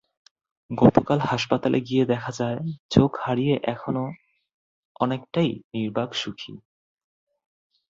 গতকাল হাসপাতালে গিয়ে দেখা যায়, চোখ হারিয়ে এখন অনেকটাই নির্বাক সুখী।